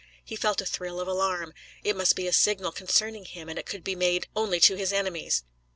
He felt a thrill of alarm. It must be a signal concerning him and it could be made only to his enemies.